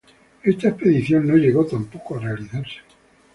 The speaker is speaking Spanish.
Esta expedición no llegó tampoco a realizarse.